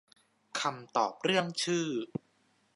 คำตอบเรื่องชื่อ